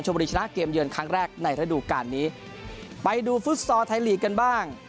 บุรีชนะเกมเยือนครั้งแรกในระดูการนี้ไปดูฟุตซอลไทยลีกกันบ้าง